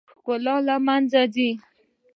ښکلا له منځه ځي .